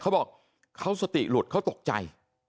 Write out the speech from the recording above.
เขาบอกเขาสติหลุดเขาตกใจ